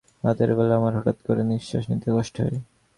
রাতের বেলা আমার হঠাৎ করে নিঃশ্বাস নিতে কষ্ট হয়।